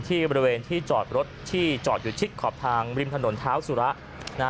ที่บริเวณที่จอดรถที่จอดอยู่ชิดขอบทางริมถนนเท้าสุระนะฮะ